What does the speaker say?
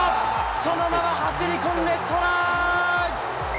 そのまま走り込んで、トライ！